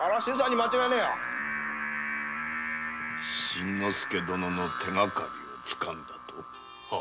真之介殿の手がかりをつかんだと？